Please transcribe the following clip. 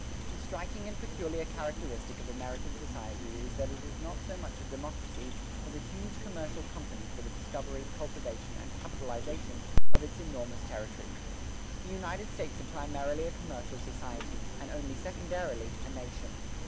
The striking and peculiar characteristic of American society is that it is not so much a democracy as a huge commercial company for the discovery, cultivation, and capitalization of its enormous territory. The United States are primarily a commercial society, and only secondarily a nation."